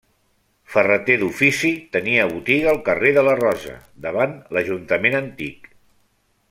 Ferreter d'ofici, tenia botiga al carrer de la Rosa, davant l'Ajuntament antic.